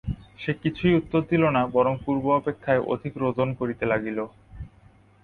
সে কিছুই উত্তর দিল না বরং পূর্ব অপেক্ষায় অধিক রোদন করিতে লাগিল।